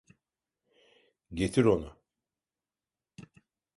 Getir onu.